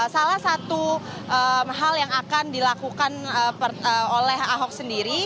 salah satu hal yang akan dilakukan oleh ahok sendiri